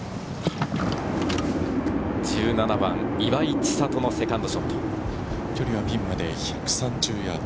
１７番、岩井千怜のセカンドショピンまで１３０ヤード。